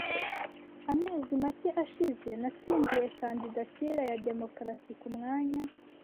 Amezi make ashize, natsindiye kandidatire ya Demokarasi kumwanya